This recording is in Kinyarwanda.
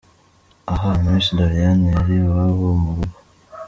Aha Miss Doriane yari iwabo mu rugo.